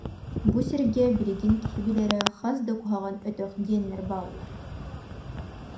Бу сиргэ, билигин киһи билэрэ, хас да «куһаҕан өтөх» диэннэр бааллар